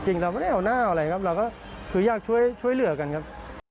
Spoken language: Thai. เราไม่ได้เอาหน้าเอาอะไรครับเราก็คืออยากช่วยเหลือกันครับ